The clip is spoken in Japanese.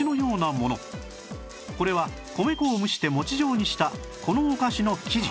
これは米粉を蒸して餅状にしたこのお菓子の生地